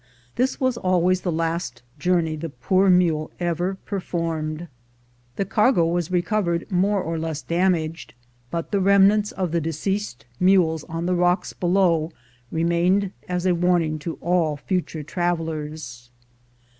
This was always the last journey the poor mule ever performed. The cargo was recovered more or less damaged, but the remnants of deceased mules on the rocks down below remained as a warning to all future travelers.